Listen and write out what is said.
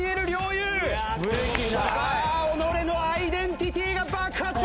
さあ己のアイデンティティーが爆発！